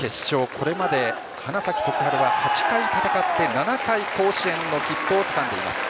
これまで花咲徳栄は８回戦って７回甲子園の切符をつかんでいます。